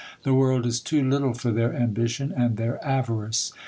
The world is too little for their ambi tion, and their avarice.